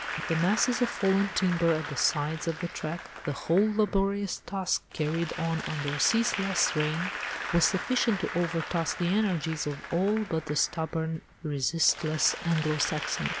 The masses of fallen timber at the sides of the track, the whole laborious task carried on under ceaseless rain, was sufficient to over task the energies of all but the stubborn, resistless Anglo Saxon.